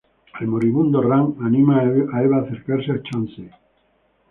El moribundo Rand anima a Eva a acercarse a "Chauncey".